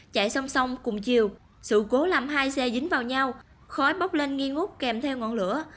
chạy song song cùng chiều sự cố làm hai xe dính vào nhau khói bốc lên nghi ngút kèm theo ngọn lửa